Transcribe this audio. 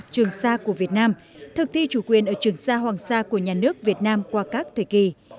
trường sa của việt nam thực thi chủ quyền ở trường sa hoàng sa của nhà nước việt nam qua các thời kỳ